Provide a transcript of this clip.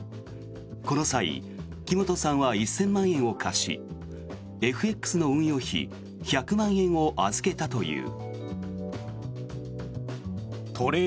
この際木本さんは１０００万円を貸しＦＸの運用費１００万円を預けたという。